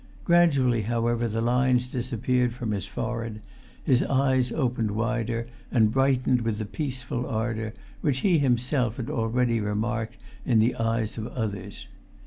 Gradually, however, the lines disappeared from his forehead, his eyes opened wider, and brightened with the peaceful ardour which he himself had already remarked in the eyes of others.